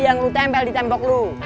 yang lu tempel di tembok lu